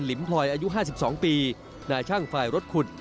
ลิมพลอยอายุ๕๒ปีนายช่างฝ่ายรถขุด